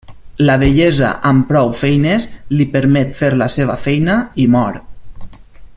La vellesa amb prou feines li permet fer la seva feina, i mor.